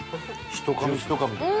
ひと噛みひと噛み。